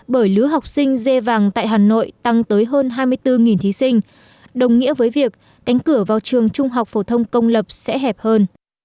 bởi lứa học sinh dê vàng tại hà nội tăng tới hơn hai mươi bốn thí sinh đồng nghĩa với việc cánh cửa vào trường trung học phổ thông công lập sẽ hẹp hơn